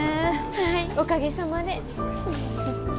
はいおかげさまで。